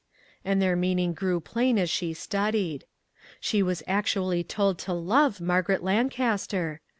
And their meaning grew plain as she studied. She was actually told to love Margaret Lancaster!